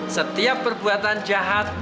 setiap perbuatan jahat